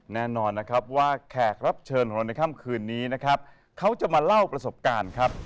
แน่นอนนะครับว่าแขกรับเชิญของเราในค่ำคืนนี้นะครับเขาจะมาเล่าประสบการณ์ครับ